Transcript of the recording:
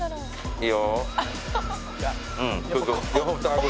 いいよ！